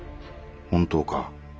本当か？